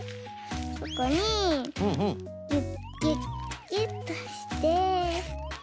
ここにギュッギュッギュッとして。